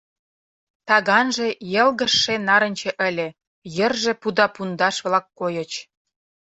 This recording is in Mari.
Таганже йылгыжше-нарынче ыле, йырже пуда пундаш-влак койыч.